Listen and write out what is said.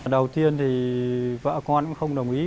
đầu tiên thì vợ con cũng không đồng ý